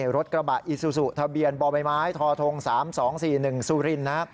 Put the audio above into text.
รถกระบะอิซูสุทะเบียนบไม้ไม้ทท๓๒๔๑สุรินทร์